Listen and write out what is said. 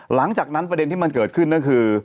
หลังจากนั้นประเด็นที่มันเกิดขึ้นก็คือ